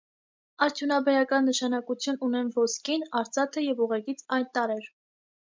Արդյունաբերական նշանակություն ունեն ոսկին, արծաթը և ուղեկից այլ տարրեր։